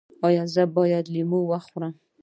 ایا زه باید لیمو وخورم؟